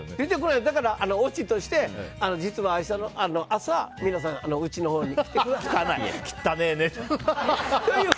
だから、オチとして実は、明日の朝、皆さんうちのほうに来てくださいという。